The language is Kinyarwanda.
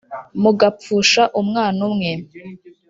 Mugapfusha umwana umwe!"